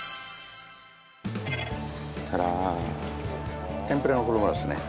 たらーっと天ぷらの衣ですね。